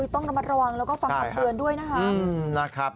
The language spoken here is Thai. ต้องระมัดระวังแล้วก็ฟังคำเตือนด้วยนะครับ